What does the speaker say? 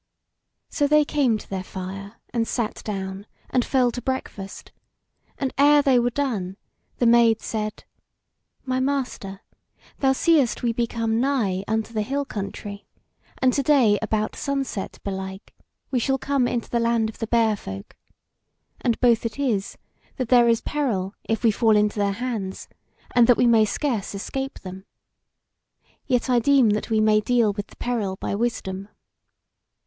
So they came to their fire and sat down, and fell to breakfast; and ere they were done, the Maid said: "My Master, thou seest we be come nigh unto the hill country, and to day about sunset, belike, we shall come into the Land of the Bear folk; and both it is, that there is peril if we fall into their hands, and that we may scarce escape them. Yet I deem that we may deal with the peril by wisdom."